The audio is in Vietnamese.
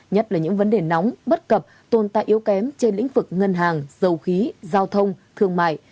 nhất là những vấn đề nóng bất cập tồn tại yếu kém trên lĩnh vực ngân hàng dầu khí giao thông thương mại